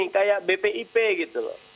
kayak bpip gitu loh